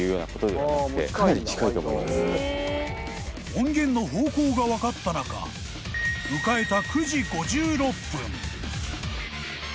［音源の方向が分かった中迎えた］